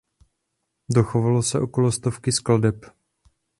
Dochovalo se okolo stovky skladeb.